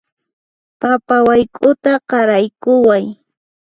Papa wayk'uta qaraykuway